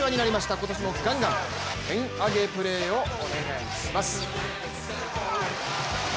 今年もガンガン、テンアゲプレーをお願いします。